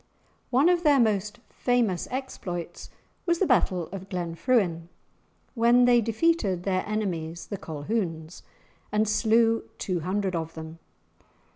One of their most famous exploits was the battle of Glenfruin, when they defeated their enemies, the Colquhouns, and slew two hundred of them.